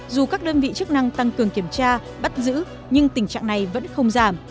dù các đơn vị chức năng tăng cường kiểm tra bắt giữ nhưng tình trạng này vẫn không giảm